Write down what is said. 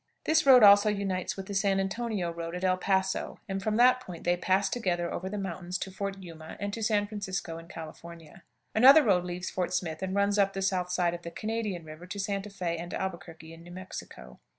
This road also unites with the San Antonio road at El Paso, and from that point they pass together over the mountains to Fort Yuma and to San Francisco in California. Another road leaves Fort Smith and runs up the south side of the Canadian River to Santa Fé and Albuquerque in New Mexico.